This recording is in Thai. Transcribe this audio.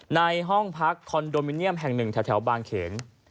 ในห้องพักคอนโดมิเนียมแห่งหนึ่งแถวบางเขน